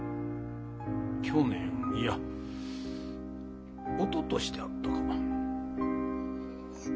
去年いやおととしであったかな。